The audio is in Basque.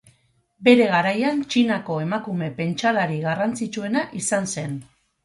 Bere garaian Txinako emakume pentsalari garrantzitsuena izan zen.